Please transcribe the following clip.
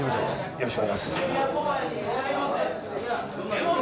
よろしくお願いします。